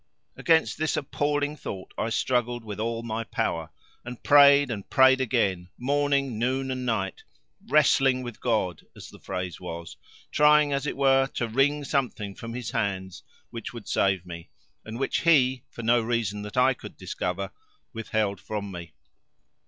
Against this appalling thought I struggled with all my power, and prayed and prayed again, morning, noon and night, wrestling with God, as the phrase was, trying as it were to wring something from His hands which would save me, and which He, for no reason that I could discover, withheld from me.